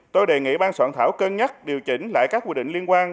tôi đề nghị ban soạn thảo cân nhắc điều chỉnh lại các quy định liên quan